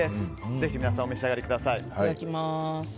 ぜひ皆さんお召し上がりください。